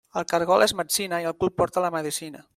El caragol és metzina i al cul porta la medecina.